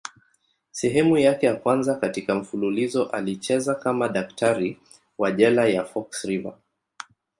Sehemu yake ya kwanza katika mfululizo alicheza kama daktari wa jela ya Fox River.